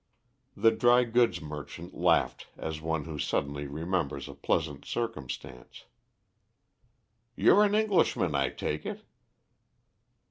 The dry goods merchant laughed as one who suddenly remembers a pleasant circumstance. "You're an Englishman, I take it."